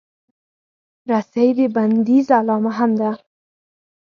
رسۍ د بندیز علامه هم ده.